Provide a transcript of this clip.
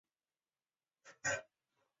根据日本空港整备法被分成第二种机场。